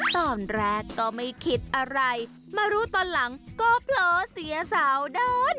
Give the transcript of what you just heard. ตอนแรกก็ไม่คิดอะไรมารู้ตอนหลังก็เผลอเสียสาวเดิน